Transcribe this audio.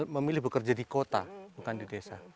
memilih bekerja di kota bukan di desa